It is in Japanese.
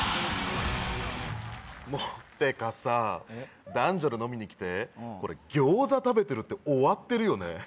もうてかさ男女で飲みに来てこれ餃子食べてるって終わってるよね